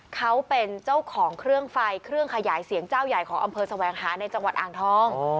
เขาเป็นเจ้าของเครื่องไฟเครื่องขยายเสียงเจ้าใหญ่ของอำเภอแสวงหาในจังหวัดอ่างทอง